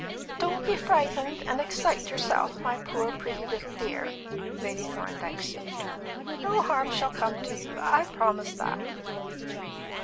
"Don't be frightened and excite yourself, my poor, pretty little dear," Lady Thorndyke soothed her. "No harm shall come to you, I promise that."